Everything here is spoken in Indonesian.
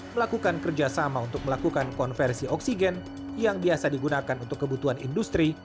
melakukan kerjasama untuk melakukan konversi oksigen yang biasa digunakan untuk kebutuhan industri